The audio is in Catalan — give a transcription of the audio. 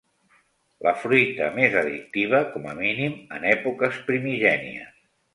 La fruita més addictiva, com a mínim en èpoques primigènies.